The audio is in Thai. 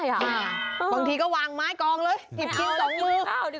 บางทีก็วางไม้กองเลยหยิบคิงสองมือ